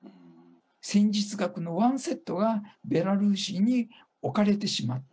戦術核の１セットがベラルーシに置かれてしまった。